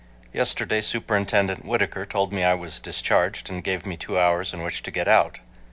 Yesterday Superintendent Whittaker told me I was discharged and gave me two hours in which to get out.